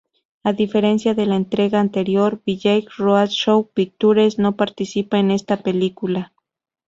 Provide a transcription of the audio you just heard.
A diferencia de la entrega anterior, Village Roadshow Pictures no participa en esta película.